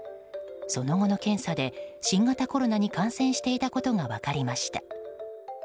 その後の検査で新型コロナに感染していたことが分かりました。